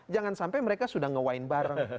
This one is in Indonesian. jangan sampai mereka sudah nge wine bareng